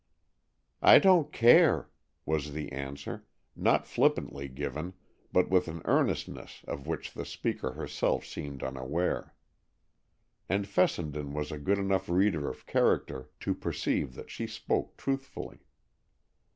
"I don't care," was the answer, not flippantly given, but with an earnestness of which the speaker herself seemed unaware. And Fessenden was a good enough reader of character to perceive that she spoke truthfully.